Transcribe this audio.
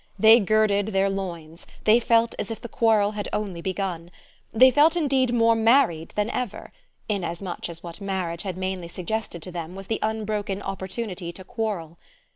They girded their loins, they felt as if the quarrel had only begun. They felt indeed more married than ever, inasmuch as what marriage had mainly suggested to them was the unbroken opportunity to quarrel.